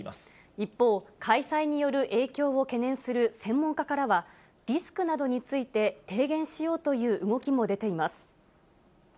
一方、開催による影響を懸念する専門家からは、リスクなどについて、提言しようという動きも出ています。